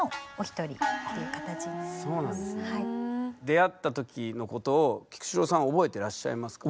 出会ったときのことを菊紫郎さんは覚えてらっしゃいますか？